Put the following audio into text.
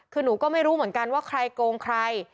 คือหนูก็ไม่รู้เหมือนกันว่าใครโกงใคร